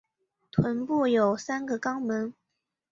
臀部有三个肛门。